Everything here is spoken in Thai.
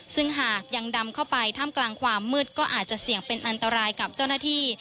ซึ่งหากยังดำเข้าไปถ้ำกลางความมืดก็อาจจะเสี่ยงเป็นอันตรายกับเจ้าหน้าที่